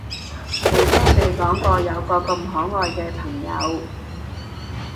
未聽你講過有個咁可愛嘅朋友